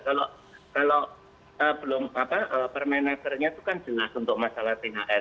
kalau belum permenakernya itu kan jelas untuk masalah thr